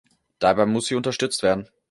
Dabei muss sie unterstützt werden.